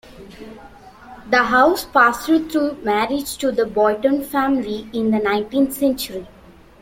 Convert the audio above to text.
The house passed through marriage to the Boyton family in the nineteenth century.